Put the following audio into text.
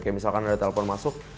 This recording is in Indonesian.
kayak misalkan ada telepon masuk